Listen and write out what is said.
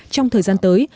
trong thời gian tới